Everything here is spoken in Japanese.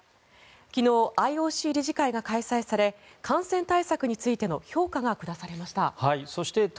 昨日、ＩＯＣ理事会が開催され感染対策についての評価が下されました。